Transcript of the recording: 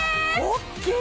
おっきい！